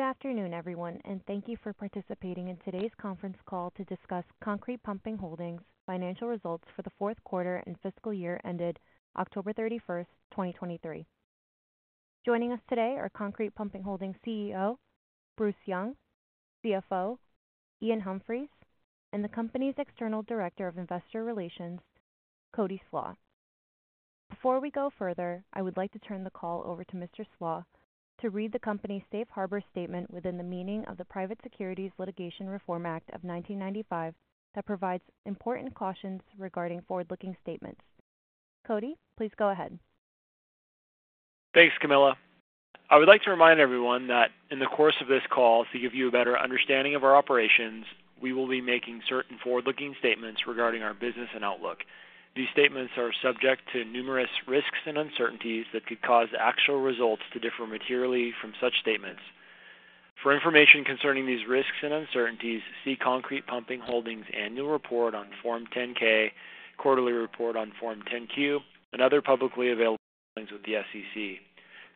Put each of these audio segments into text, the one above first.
`Good afternoon, everyone, and th`ank you for participating in today's conference call to discuss Concrete Pumping Holdings' financial results for the fourth quarter and fiscal year ended October 31, 2023. Joining us today are Concrete Pumping Holdings CEO, Bruce Young, CFO, Iain Humphries, and the company's External Director of Investor Relations, Cody Slach. Before we go further, I would like to turn the call over to Mr. Slach to read the company's Safe Harbor statement within the meaning of the Private Securities Litigation Reform Act of 1995, that provides important cautions regarding forward-looking statements. Cody, please go ahead. Thanks, Camilla. I would like to remind everyone that in the course of this call, to give you a better understanding of our operations, we will be making certain forward-looking statements regarding our business and outlook. These statements are subject to numerous risks and uncertainties that could cause actual results to differ materially from such statements. For information concerning these risks and uncertainties, see Concrete Pumping Holdings' Annual Report on Form 10-K, Quarterly Report on Form 10-Q, and other publicly available filings with the SEC.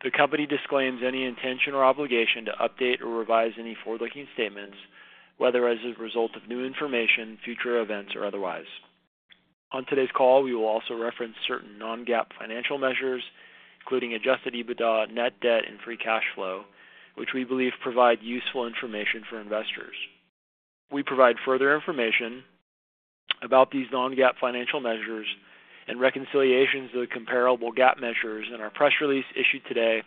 The company disclaims any intention or obligation to update or revise any forward-looking statements, whether as a result of new information, future events, or otherwise. On today's call, we will also reference certain non-GAAP financial measures, including adjusted EBITDA, net debt, and free cash flow, which we believe provide useful information for investors. We provide further information about these non-GAAP financial measures and reconciliations to the comparable GAAP measures in our press release issued today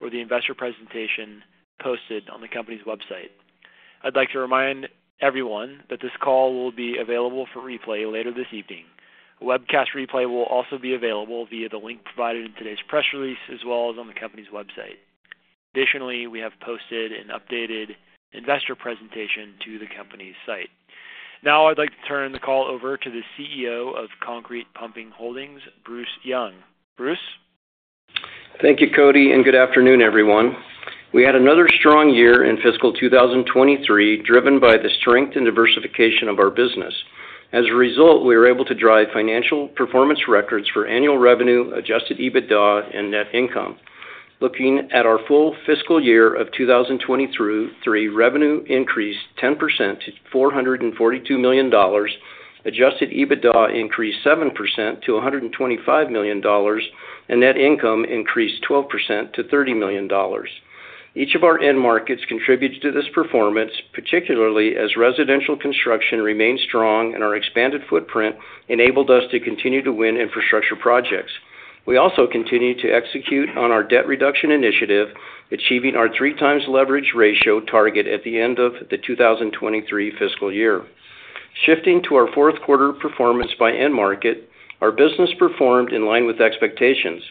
or the investor presentation posted on the company's website. I'd like to remind everyone that this call will be available for replay later this evening. Webcast replay will also be available via the link provided in today's press release, as well as on the company's website. Additionally, we have posted an updated investor presentation to the company's site. Now, I'd like to turn the call over to the CEO of Concrete Pumping Holdings, Bruce Young. Bruce? Thank you, Cody, and good afternoon, everyone. We had another strong year in fiscal 2023, driven by the strength and diversification of our business. As a result, we were able to drive financial performance records for annual revenue, adjusted EBITDA, and net income. Looking at our full fiscal year of 2023, revenue increased 10% to $442 million, adjusted EBITDA increased 7% to $125 million, and net income increased 12% to $30 million. Each of our end markets contributed to this performance, particularly as residential construction remained strong and our expanded footprint enabled us to continue to win infrastructure projects. We also continued to execute on our debt reduction initiative, achieving our 3x leverage ratio target at the end of the 2023 fiscal year. Shifting to our fourth quarter performance by end market, our business performed in line with expectations.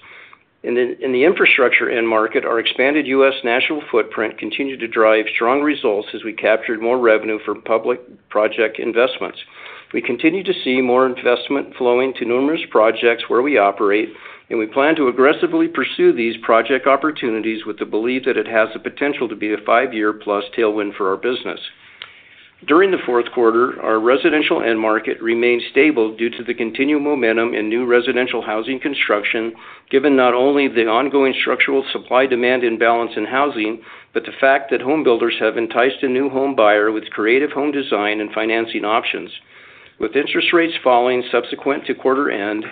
In the infrastructure end market, our expanded U.S. national footprint continued to drive strong results as we captured more revenue from public project investments. We continue to see more investment flowing to numerous projects where we operate, and we plan to aggressively pursue these project opportunities with the belief that it has the potential to be a five year plus tailwind for our business. During the fourth quarter, our residential end market remained stable due to the continued momentum in new residential housing construction, given not only the ongoing structural supply-demand imbalance in housing, but the fact that home builders have enticed a new home buyer with creative home design and financing options. With interest rates falling subsequent to quarter end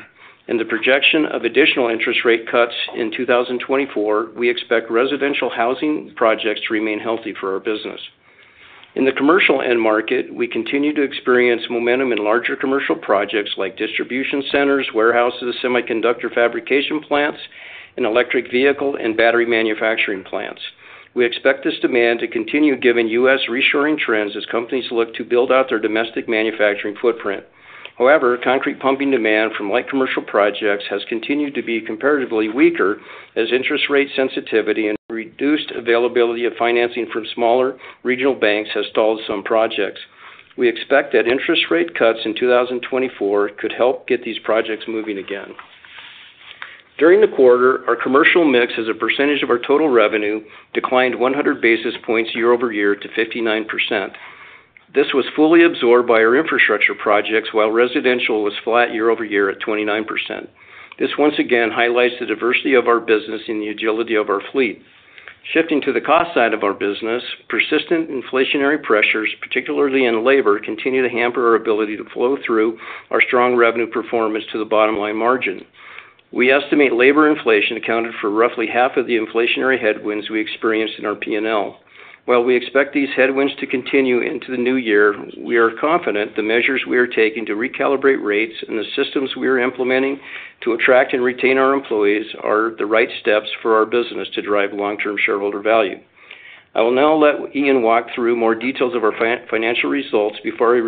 and the projection of additional interest rate cuts in 2024, we expect residential housing projects to remain healthy for our business. In the commercial end market, we continue to experience momentum in larger commercial projects like distribution centers, warehouses, semiconductor fabrication plants, and electric vehicle and battery manufacturing plants. We expect this demand to continue, given U.S. reshoring trends as companies look to build out their domestic manufacturing footprint. However, concrete pumping demand from light commercial projects has continued to be comparatively weaker, as interest rate sensitivity and reduced availability of financing from smaller regional banks has stalled some projects. We expect that interest rate cuts in 2024 could help get these projects moving again. During the quarter, our commercial mix, as a percentage of our total revenue, declined 100 basis points year-over-year to 59%. This was fully absorbed by our infrastructure projects, while residential was flat year-over-year at 29%. This once again highlights the diversity of our business and the agility of our fleet. Shifting to the cost side of our business, persistent inflationary pressures, particularly in labor, continue to hamper our ability to flow through our strong revenue performance to the bottom line margin. We estimate labor inflation accounted for roughly half of the inflationary headwinds we experienced in our P&L. While we expect these headwinds to continue into the new year, we are confident the measures we are taking to recalibrate rates and the systems we are implementing to attract and retain our employees are the right steps for our business to drive long-term shareholder value. I will now let Iain walk through more details of our financial results before I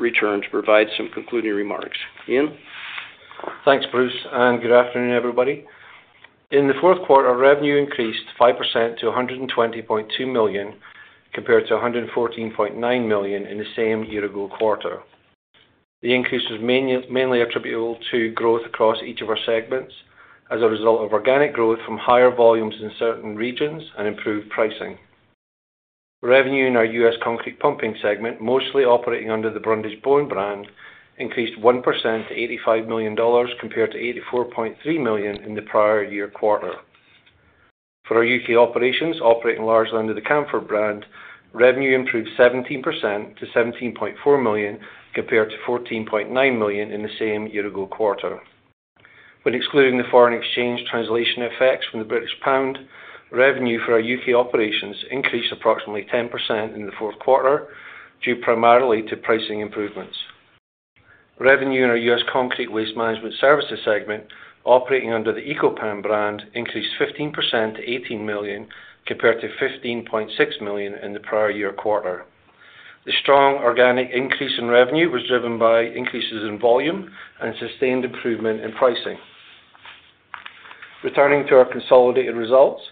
return to provide some concluding remarks. Iain? Thanks, Bruce, and good afternoon, everybody. In the fourth quarter, revenue increased 5% to $120.2 million, compared to $114.9 million in the same year-ago quarter. The increase was mainly attributable to growth across each of our segments as a result of organic growth from higher volumes in certain regions and improved pricing.... Revenue in our U.S. Concrete Pumping segment, mostly operating under the Brundage-Bone brand, increased 1% to $85 million, compared to $84.3 million in the prior year quarter. For our U.K. operations, operating largely under the Camfaud brand, revenue improved 17% to $17.4 million, compared to $14.9 million in the same year-ago quarter. When excluding the foreign exchange translation effects from the British Pound, revenue for our U.K. operations increased approximately 10% in the fourth quarter, due primarily to pricing improvements. Revenue in our U.S. Concrete Waste Management Services segment, operating under the Eco-Pan brand, increased 15% to $18 million, compared to $15.6 million in the prior year quarter. The strong organic increase in revenue was driven by increases in volume and sustained improvement in pricing. Returning to our consolidated results,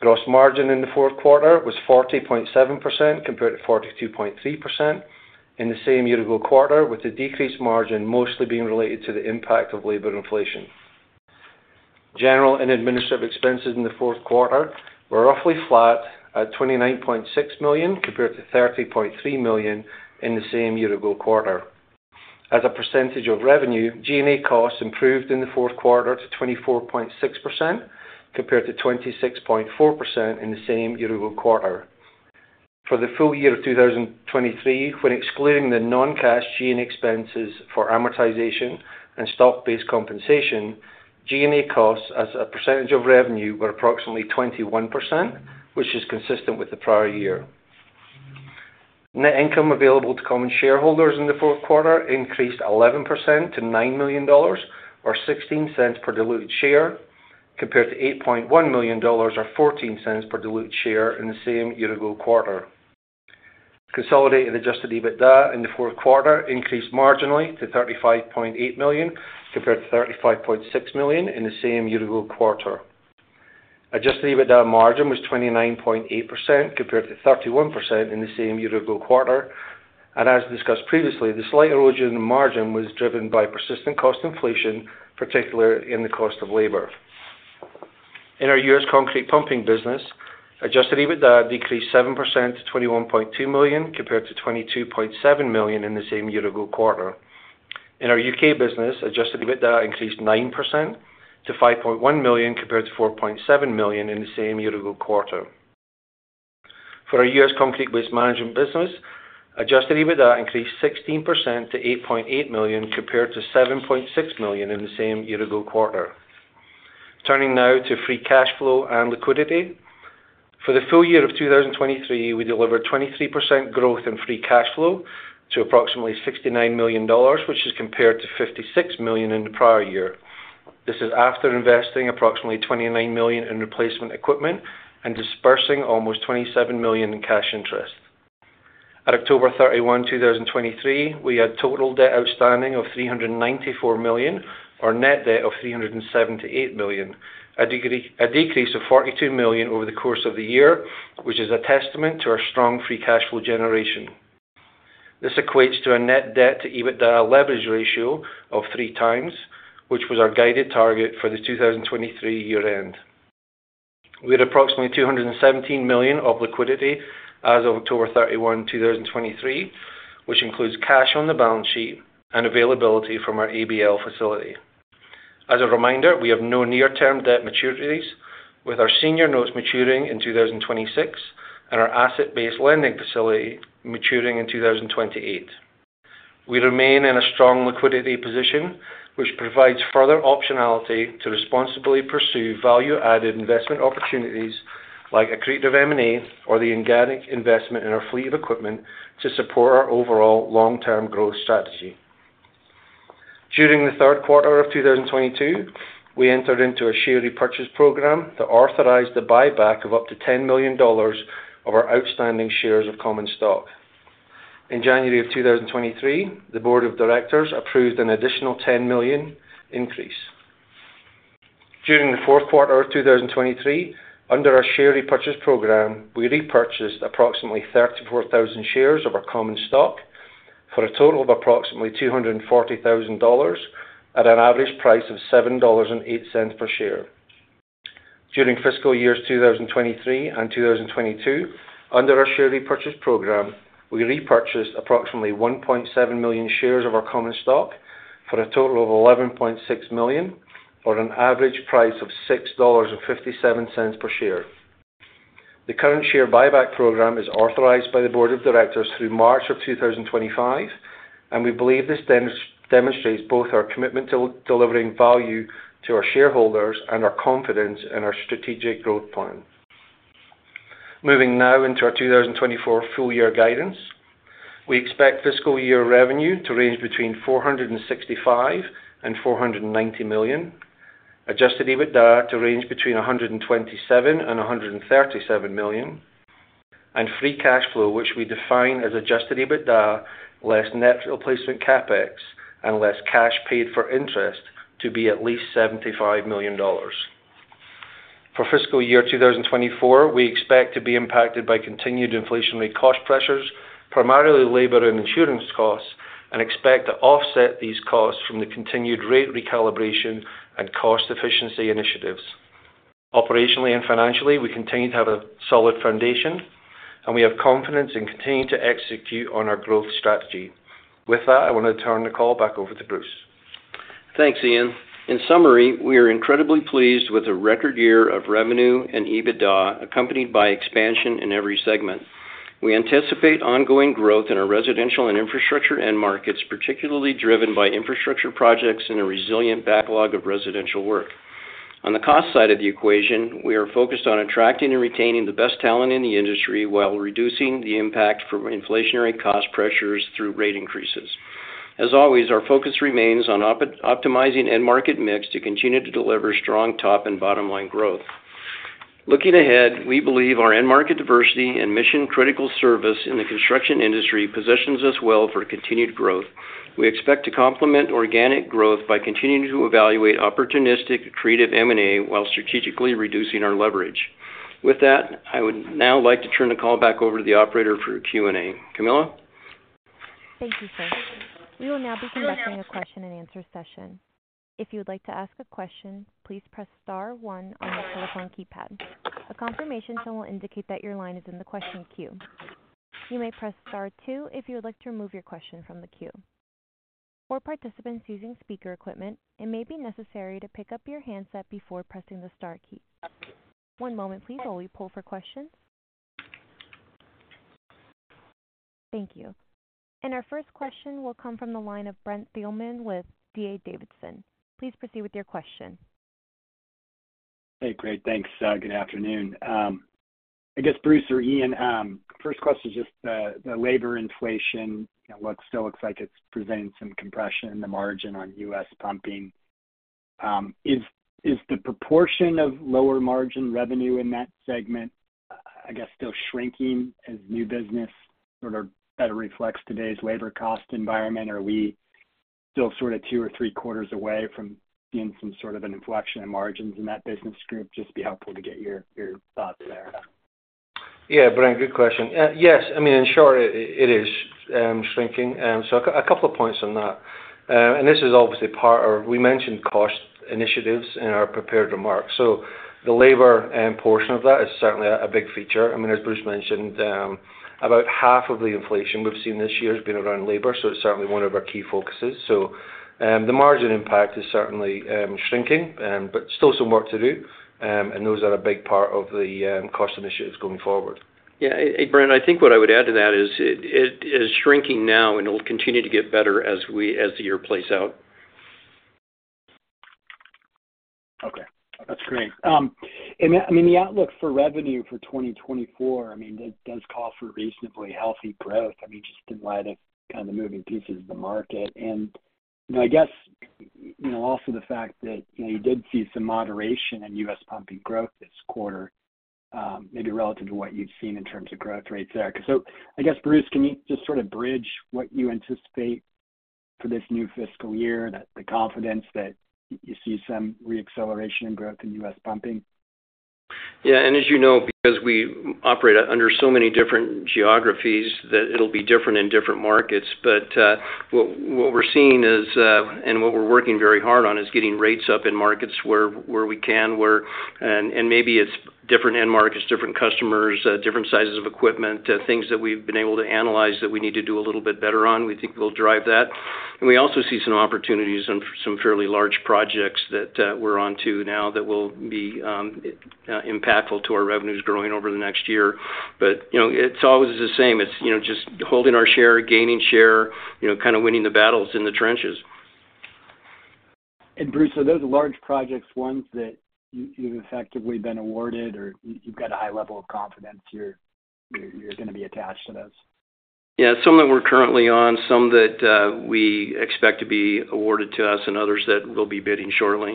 gross margin in the fourth quarter was 40.7%, compared to 42.3% in the same year-ago quarter, with the decreased margin mostly being related to the impact of labor inflation. General and administrative expenses in the fourth quarter were roughly flat at $29.6 million, compared to $30.3 million in the same year-ago quarter. As a percentage of revenue, G&A costs improved in the fourth quarter to 24.6%, compared to 26.4% in the same year-ago quarter. For the full year of 2023, when excluding the non-cash G&A expenses for amortization and stock-based compensation, G&A costs as a percentage of revenue were approximately 21%, which is consistent with the prior year. Net income available to common shareholders in the fourth quarter increased 11% to $9 million, or $0.16 per diluted share, compared to $8.1 million, or $0.14 per diluted share in the same year-ago quarter. Consolidated adjusted EBITDA in the fourth quarter increased marginally to $35.8 million, compared to $35.6 million in the same year-ago quarter. adjusted EBITDA margin was 29.8%, compared to 31% in the same year-ago quarter. As discussed previously, the slight erosion in margin was driven by persistent cost inflation, particularly in the cost of labor. In our U.S. concrete pumping business, adjusted EBITDA decreased 7% to $21.2 million, compared to $22.7 million in the same year-ago quarter. In our U.K. business, adjusted EBITDA increased 9% to $5.1 million, compared to $4.7 million in the same year-ago quarter. For our U.S. Concrete Waste Management business, adjusted EBITDA increased 16% to $8.8 million, compared to $7.6 million in the same year-ago quarter. Turning now to free cash flow and liquidity. For the full year of 2023, we delivered 23% growth in free cash flow to approximately $69 million, which is compared to $56 million in the prior year. This is after investing approximately $29 million in replacement equipment and disbursing almost $27 million in cash interest. At October 31, 2023, we had total debt outstanding of $394 million, or net debt of $378 million, a decrease of $42 million over the course of the year, which is a testament to our strong free cash flow generation. This equates to a net debt-to-EBITDA leverage ratio of 3 times, which was our guided target for the 2023 year end. We had approximately $217 million of liquidity as of October 31, 2023, which includes cash on the balance sheet and availability from our ABL facility. As a reminder, we have no near-term debt maturities, with our senior notes maturing in 2026, and our asset-based lending facility maturing in 2028. We remain in a strong liquidity position, which provides further optionality to responsibly pursue value-added investment opportunities like accretive M&A or the organic investment in our fleet of equipment to support our overall long-term growth strategy. During the third quarter of 2022, we entered into a share repurchase program that authorized the buyback of up to $10 million of our outstanding shares of common stock. In January of 2023, the board of directors approved an additional $10 million increase. During the fourth quarter of 2023, under our share repurchase program, we repurchased approximately 34,000 shares of our common stock for a total of approximately $240,000 at an average price of $7.08 per share. During fiscal years 2023 and 2022, under our share repurchase program, we repurchased approximately 1.7 million shares of our common stock for a total of $11.6 million on an average price of $6.57 per share. The current share buyback program is authorized by the board of directors through March of 2025, and we believe this demonstrates both our commitment to delivering value to our shareholders and our confidence in our strategic growth plan. Moving now into our 2024 full year guidance. We expect fiscal year revenue to range between $465 million and $490 million. adjusted EBITDA to range between $127 million and $137 million, and free cash flow, which we define as adjusted EBITDA less net replacement CapEx and less cash paid for interest, to be at least $75 million. For fiscal year 2024, we expect to be impacted by continued inflationary cost pressures, primarily labor and insurance costs... and expect to offset these costs from the continued rate recalibration and cost efficiency initiatives. Operationally and financially, we continue to have a solid foundation, and we have confidence in continuing to execute on our growth strategy. With that, I want to turn the call back over to Bruce. Thanks, Ian. In summary, we are incredibly pleased with the record year of revenue and EBITDA, accompanied by expansion in every segment. We anticipate ongoing growth in our residential and infrastructure end markets, particularly driven by infrastructure projects and a resilient backlog of residential work. On the cost side of the equation, we are focused on attracting and retaining the best talent in the industry while reducing the impact from inflationary cost pressures through rate increases. As always, our focus remains on optimizing end market mix to continue to deliver strong top and bottom line growth. Looking ahead, we believe our end market diversity and mission-critical service in the construction industry positions us well for continued growth. We expect to complement organic growth by continuing to evaluate opportunistic, accretive M&A while strategically reducing our leverage. With that, I would now like to turn the call back over to the operator for Q&A. Camilla? Thank you, sir. We will now be conducting a question-and-answer session. If you would like to ask a question, please press star one on your telephone keypad. A confirmation tone will indicate that your line is in the question queue. You may press star two if you would like to remove your question from the queue. For participants using speaker equipment, it may be necessary to pick up your handset before pressing the star key. One moment please, while we poll for questions. Thank you. Our first question will come from the line of Brent Thielman with D.A. Davidson. Please proceed with your question. Hey, great, thanks. Good afternoon. I guess, Bruce or Iain, first question is just the labor inflation. It looks, still looks like it's presenting some compression in the margin on U.S. pumping. Is the proportion of lower margin revenue in that segment, I guess, still shrinking as new business sort of better reflects today's labor cost environment? Are we still sort of two or three quarters away from seeing some sort of an inflection in margins in that business group? Just be helpful to get your thoughts there. Yeah, Brent, good question. Yes, I mean, in short, it is shrinking. So a couple of points on that. And this is obviously part of... We mentioned cost initiatives in our prepared remarks. So the labor portion of that is certainly a big feature. I mean, as Bruce mentioned, about half of the inflation we've seen this year has been around labor, so it's certainly one of our key focuses. So, the margin impact is certainly shrinking, but still some work to do. And those are a big part of the cost initiatives going forward. Yeah, and Brent, I think what I would add to that is it is shrinking now, and it will continue to get better as the year plays out. Okay, that's great. And I mean, the outlook for revenue for 2024, I mean, that does call for reasonably healthy growth. I mean, just in light of kind of the moving pieces of the market. And, you know, I guess, you know, also the fact that, you know, you did see some moderation in U.S. pumping growth this quarter, maybe relative to what you've seen in terms of growth rates there. So I guess, Bruce, can you just sort of bridge what you anticipate for this new fiscal year, that the confidence that you see some reacceleration in growth in U.S. pumping? Yeah, and as you know, because we operate under so many different geographies, that it'll be different in different markets. But, what we're seeing is, and what we're working very hard on, is getting rates up in markets where we can. And maybe it's different end markets, different customers, different sizes of equipment, things that we've been able to analyze that we need to do a little bit better on, we think will drive that. And we also see some opportunities and some fairly large projects that, we're onto now that will be impactful to our revenues growing over the next year. But, you know, it's always the same. It's, you know, just holding our share, gaining share, you know, kind of winning the battles in the trenches. Bruce, are those large projects ones that you’ve effectively been awarded or you’ve got a high level of confidence you’re gonna be attached to those? Yeah, some that we're currently on, some that we expect to be awarded to us and others that we'll be bidding shortly.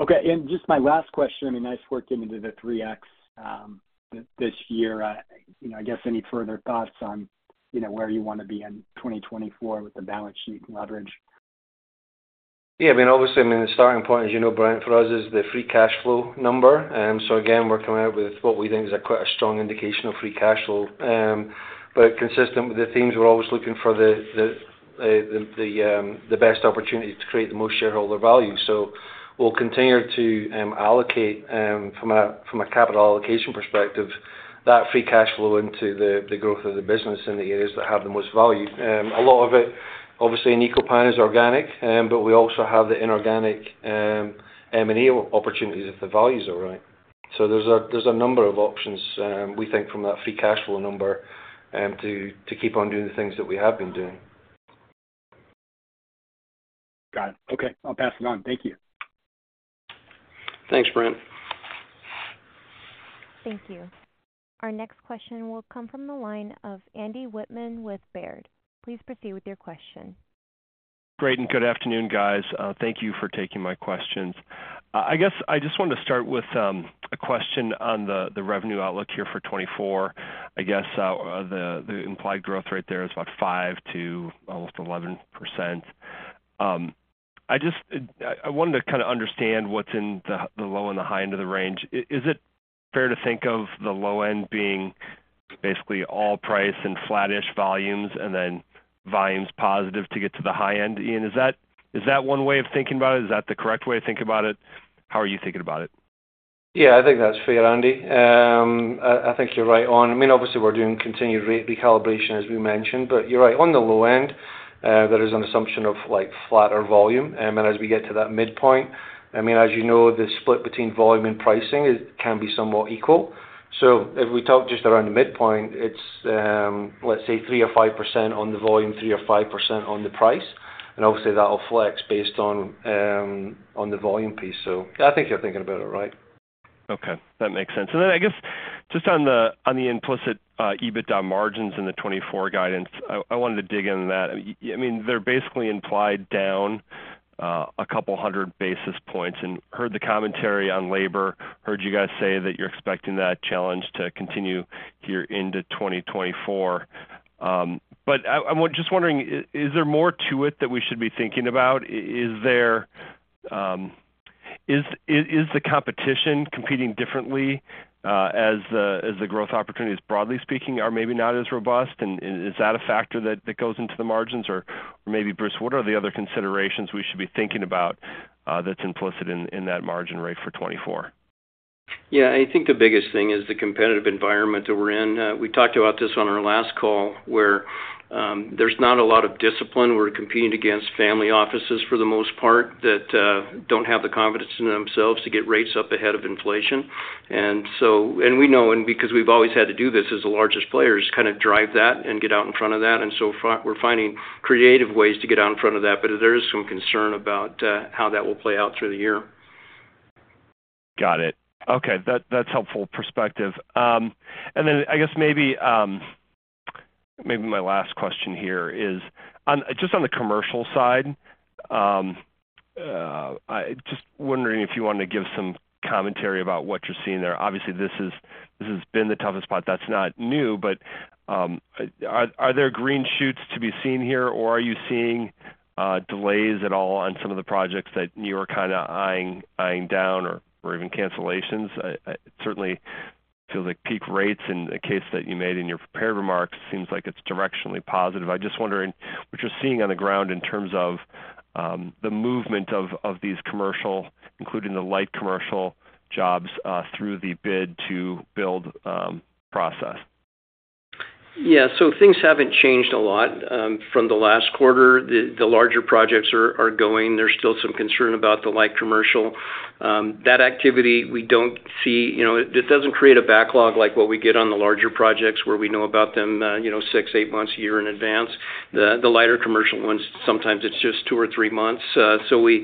Okay. Okay, and just my last question. I mean, nice work getting to the 3x this year. You know, I guess, any further thoughts on, you know, where you want to be in 2024 with the balance sheet leverage? Yeah, I mean, obviously, I mean, the starting point, as you know, Brent, for us, is the free cash flow number. So again, we're coming out with what we think is quite a strong indication of free cash flow. But consistent with the themes, we're always looking for the best opportunity to create the most shareholder value. So we'll continue to allocate, from a capital allocation perspective, that free cash flow into the growth of the business in the areas that have the most value. A lot of it, obviously, in Eco-Pan is organic, but we also have the inorganic M&A opportunities if the values are right. So there's a number of options, we think, from that Free Cash Flow number, to keep on doing the things that we have been doing. Got it. Okay, I'll pass it on. Thank you. Thanks, Brent. Thank you. Our next question will come from the line of Andy Wittmann with Baird. Please proceed with your question. Great, and good afternoon, guys. Thank you for taking my questions. I guess I just wanted to start with, a question on the revenue outlook here for 2024. I guess, the implied growth rate there is about 5% to almost 11%.... I just, I wanted to kind of understand what's in the low and the high end of the range. Is it fair to think of the low end being basically all price and flattish volumes, and then volumes positive to get to the high end? Iain, is that, is that one way of thinking about it? Is that the correct way to think about it? How are you thinking about it? Yeah, I think that's fair, Andy. I think you're right on. I mean, obviously, we're doing continued rate recalibration, as we mentioned, but you're right. On the low end, there is an assumption of, like, flatter volume. And then as we get to that midpoint, I mean, as you know, the split between volume and pricing is, can be somewhat equal. So if we talk just around the midpoint, it's, let's say 3% or 5% on the volume, 3% or 5% on the price, and obviously, that'll flex based on, on the volume piece. So I think you're thinking about it right. Okay, that makes sense. Then I guess just on the implicit EBITDA margins in the 2024 guidance, I wanted to dig into that. I mean, they're basically implied down a couple 100 basis points, and heard the commentary on labor, heard you guys say that you're expecting that challenge to continue here into 2024. But I'm just wondering, is there more to it that we should be thinking about? Is there... Is the competition competing differently as the growth opportunities, broadly speaking, are maybe not as robust and is that a factor that goes into the margins? Or maybe, Bruce, what are the other considerations we should be thinking about that's implicit in that margin rate for 2024? Yeah, I think the biggest thing is the competitive environment that we're in. We talked about this on our last call, where there's not a lot of discipline. We're competing against family offices, for the most part, that don't have the confidence in themselves to get rates up ahead of inflation. And so we know, and because we've always had to do this as the largest players, kind of drive that and get out in front of that. We're finding creative ways to get out in front of that, but there is some concern about how that will play out through the year. Got it. Okay, that, that's helpful perspective. And then I guess maybe, maybe my last question here is, on... Just on the commercial side, I just wondering if you wanted to give some commentary about what you're seeing there. Obviously, this is, this has been the toughest spot. That's not new, but, are there green shoots to be seen here, or are you seeing delays at all on some of the projects that you were kind of eyeing down or even cancellations? I certainly feels like peak rates in the case that you made in your prepared remarks seems like it's directionally positive. I just wondering what you're seeing on the ground in terms of the movement of these commercial, including the light commercial jobs, through the bid to build process. Yeah, so things haven't changed a lot from the last quarter. The larger projects are going. There's still some concern about the light commercial. That activity, we don't see, you know, it doesn't create a backlog like what we get on the larger projects, where we know about them, you know, six, eight months, a year in advance. The lighter commercial ones, sometimes it's just two or three months. So we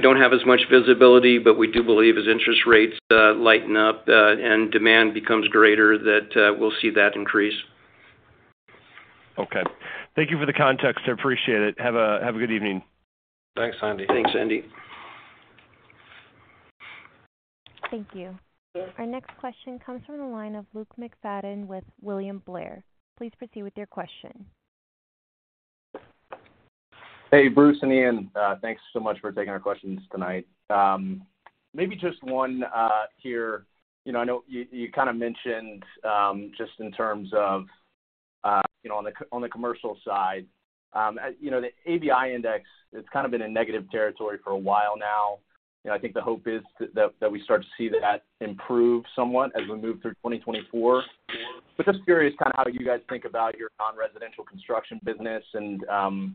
don't have as much visibility, but we do believe as interest rates lighten up and demand becomes greater, that we'll see that increase. Okay. Thank you for the context. I appreciate it. Have a, have a good evening. Thanks, Andy. Thanks, Andy. Thank you. Our next question comes from the line of Luke McFadden with William Blair. Please proceed with your question. Hey, Bruce and Iain. Thanks so much for taking our questions tonight. Maybe just one here. You know, I know you, you kind of mentioned just in terms of you know, on the commercial side. You know, the ABI Index, it's kind of been in negative territory for a while now. And I think the hope is that we start to see that improve somewhat as we move through 2024. But just curious kind of how you guys think about your non-residential construction business and,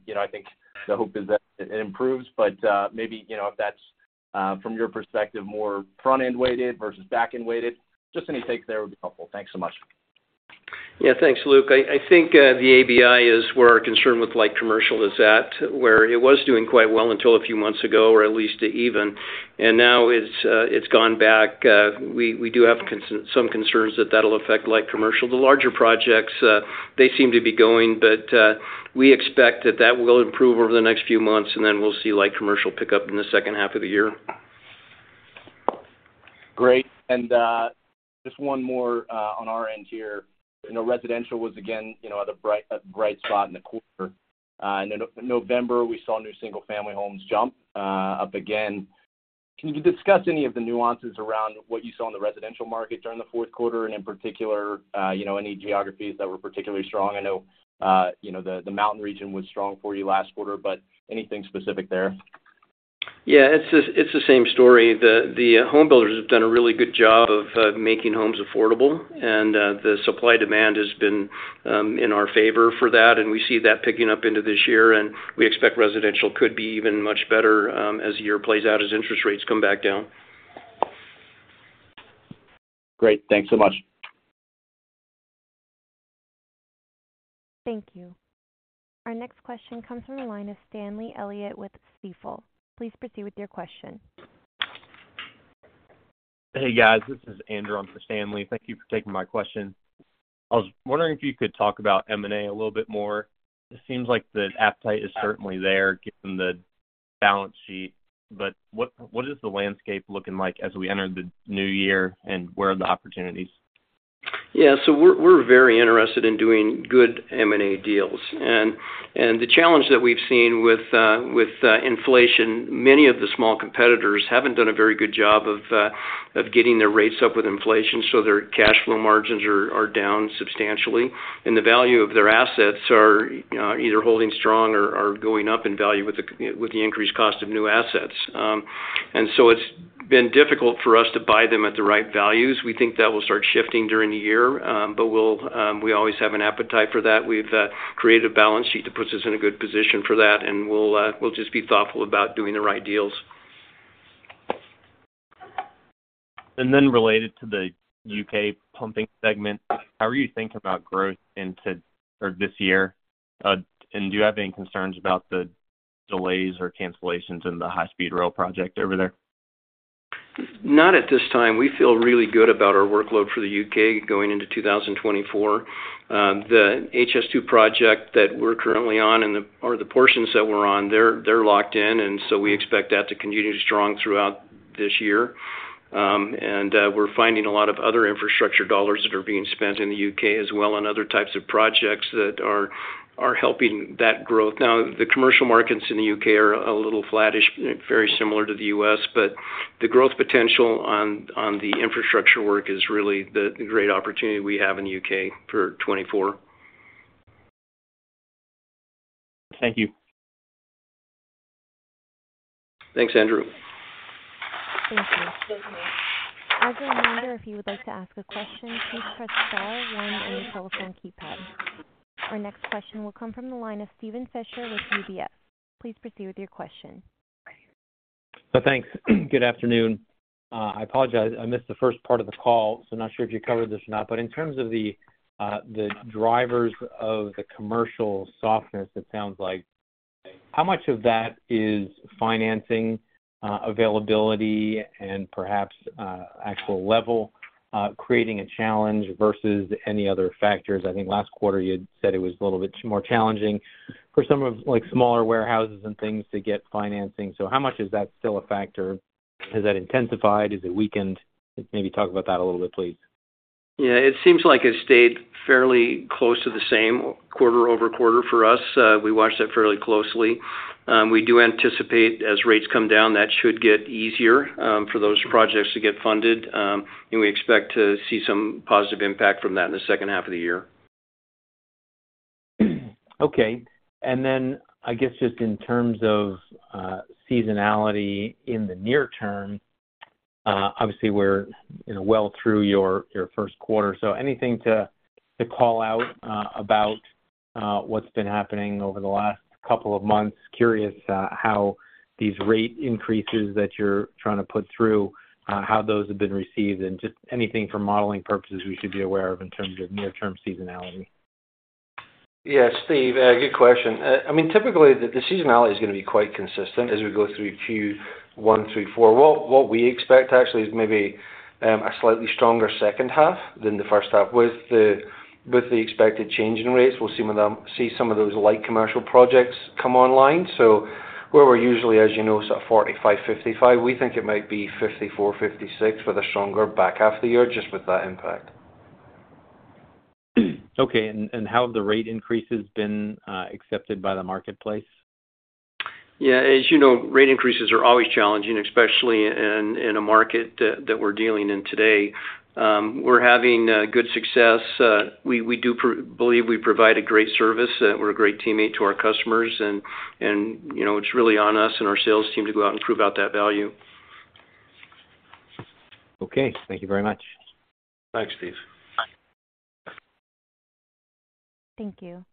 you know, I think the hope is that it improves, but maybe, you know, if that's from your perspective, more front-end weighted versus back-end weighted. Just any takes there would be helpful. Thanks so much. Yeah, thanks, Luke. I, I think the ABI is where our concern with light commercial is at, where it was doing quite well until a few months ago, or at least even. And now it's gone back. We, we do have some concerns that that'll affect light commercial. The larger projects, they seem to be going, but we expect that that will improve over the next few months, and then we'll see light commercial pick up in the second half of the year. Great. And just one more on our end here. You know, residential was again, you know, the bright spot in the quarter. In November, we saw new single-family homes jump up again. Can you discuss any of the nuances around what you saw in the residential market during the fourth quarter, and in particular, you know, any geographies that were particularly strong? I know, you know, the Mountain region was strong for you last quarter, but anything specific there? Yeah, it's the, it's the same story. The homebuilders have done a really good job of making homes affordable, and the supply-demand has been in our favor for that, and we see that picking up into this year, and we expect residential could be even much better as the year plays out, as interest rates come back down. Great. Thanks so much. Thank you. Our next question comes from the line of Stanley Elliott with Stifel. Please proceed with your question. Hey, guys, this is Andrew. I'm from Stanley. Thank you for taking my question. I was wondering if you could talk about M&A a little bit more. It seems like the appetite is certainly there, given the balance sheet, but what is the landscape looking like as we enter the new year, and where are the opportunities? Yeah, so we're very interested in doing good M&A deals. And the challenge that we've seen with inflation, many of the small competitors haven't done a very good job of getting their rates up with inflation, so their cash flow margins are down substantially, and the value of their assets are either holding strong or going up in value with the increased cost of new assets. And so it's been difficult for us to buy them at the right values. We think that will start shifting during the year, but we'll, we always have an appetite for that. We've created a balance sheet that puts us in a good position for that, and we'll just be thoughtful about doing the right deals. Related to the U.K. pumping segment, how are you thinking about growth into or this year? And do you have any concerns about the delays or cancellations in the high-speed rail project over there? Not at this time. We feel really good about our workload for the U.K. going into 2024. The HS2 project that we're currently on, or the portions that we're on, they're locked in, and so we expect that to continue strong throughout this year. And we're finding a lot of other infrastructure dollars that are being spent in the U.K. as well, and other types of projects that are helping that growth. Now, the commercial markets in the U.K. are a little flattish, very similar to the U.S., but the growth potential on the infrastructure work is really the great opportunity we have in the U.K. for 2024. Thank you. Thanks, Andrew. Thank you. As a reminder, if you would like to ask a question, please press star one on your telephone keypad. Our next question will come from the line of Steven Fisher with UBS. Please proceed with your question. So thanks. Good afternoon. I apologize. I missed the first part of the call, so I'm not sure if you covered this or not. But in terms of the drivers of the commercial softness, it sounds like, how much of that is financing availability and perhaps actual level creating a challenge versus any other factors? I think last quarter you had said it was a little bit more challenging for some of like, smaller warehouses and things to get financing. So how much is that still a factor? Has that intensified? Has it weakened? Maybe talk about that a little bit, please. Yeah, it seems like it's stayed fairly close to the same quarter-over-quarter for us. We watch that fairly closely. We do anticipate as rates come down, that should get easier for those projects to get funded. And we expect to see some positive impact from that in the second half of the year. Okay. And then, I guess, just in terms of seasonality in the near term, obviously we're, you know, well through your first quarter. So anything to call out about what's been happening over the last couple of months? Curious how these rate increases that you're trying to put through have been received, and just anything for modeling purposes we should be aware of in terms of near-term seasonality. Yeah, Steve, good question. I mean, typically the seasonality is going to be quite consistent as we go through Q1 through Q4. What we expect actually is maybe a slightly stronger second half than the first half. With the expected change in rates, we'll see some of them, see some of those light commercial projects come online. So where we're usually, as you know, sort of 45%-55%, we think it might be 54%-56% for the stronger back half of the year, just with that impact. Okay, and how have the rate increases been accepted by the marketplace? Yeah, as you know, rate increases are always challenging, especially in a market that we're dealing in today. We're having good success. We believe we provide a great service, we're a great teammate to our customers and, you know, it's really on us and our sales team to go out and prove out that value. Okay, thank you very much. Thanks, Steve. Thank you.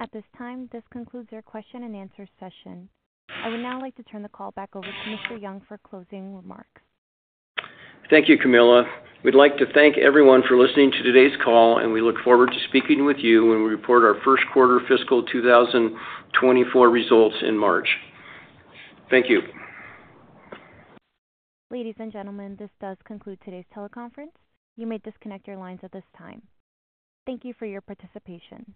At this time, this concludes our question and answer session. I would now like to turn the call back over to Mr. Young for closing remarks. Thank you, Camilla. We'd like to thank everyone for listening to today's call, and we look forward to speaking with you when we report our first quarter fiscal 2024 results in March. Thank you. Ladies and gentlemen, this does conclude today's teleconference. You may disconnect your lines at this time. Thank you for your participation.